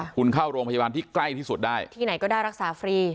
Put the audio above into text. คุณเข้าโรงพยาบาลที่ใกล้ที่สุดได้ที่ไหนก็ได้รักษาฟรี